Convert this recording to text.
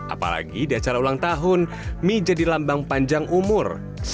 apalagi di acara ulang tahun mie jadi lambang panjang umur